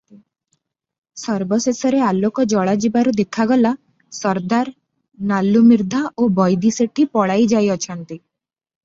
ସର୍ବଶେଷରେ ଆଲୋକ ଜଳା ଯିବାରୁ ଦେଖାଗଲା, ସରଦାର ନାଲୁମିର୍ଦ୍ଧା ଓ ବୈଦି ଶେଠୀ ପଳାଇ ଯାଇଅଛନ୍ତି ।